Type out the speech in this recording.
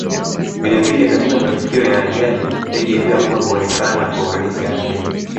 Vile vile katika matukio ya ajali ndege iliyoanguka huonekana kwa urahisi ardhini